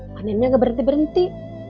panennya gak berhenti berhenti